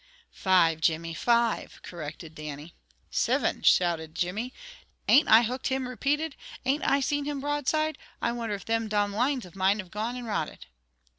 "Five, Jimmy, five," corrected Dannie. "Siven!" shouted Jimmy. "Ain't I hooked him repeated? Ain't I seen him broadside? I wonder if thim domn lines of mine have gone and rotted."